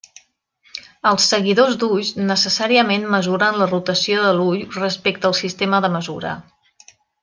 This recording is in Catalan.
Els seguidors d’ulls necessàriament mesuren la rotació de l'ull respecte al sistema de mesura.